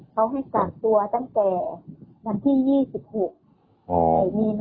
สี่สัญญาณไม่ได้เลือกที่หมด